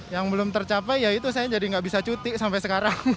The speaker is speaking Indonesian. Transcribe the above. yang belum tercapai ya itu saya jadi nggak bisa cuti sampai sekarang